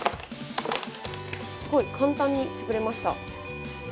すごい、簡単に潰れました。